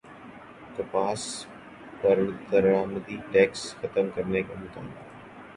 کپاس پر درامدی ٹیکس ختم کرنے کا مطالبہ